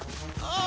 ああ！